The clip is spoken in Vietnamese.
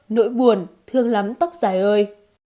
nỗi buồn thương lắm tóc dài ơi